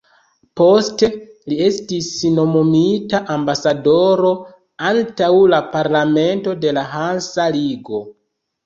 Poste li estis nomumita ambasadoro antaŭ la parlamento de la Hansa ligo.